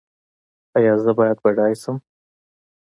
ایا زه باید بډای شم؟